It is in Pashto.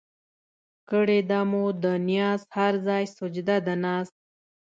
کړېده مو ده نياز هر ځای سجده د ناز